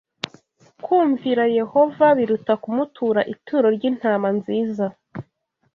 kumvira Yehova biruta kumutura ituro ry’intama nziza.